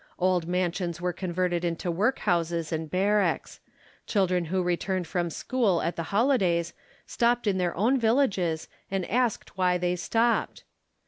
Old mansions were converted into workhouses and barracks : children who returned from school at the holidays stopped in their own villages, and asked why they stopped.